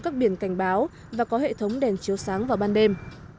các biển cảnh báo và có hệ thống đèn chiếu sáng vào ban đêm